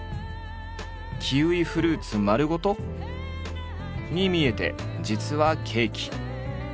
キウイフルーツ丸ごと？に見えて実はケーキ！